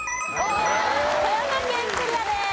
富山県クリアです。